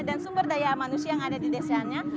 dan sumber daya manusia yang ada di desanya